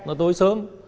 nó tối sớm